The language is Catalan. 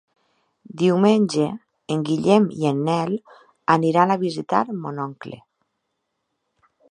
Diumenge en Guillem i en Nel aniran a visitar mon oncle.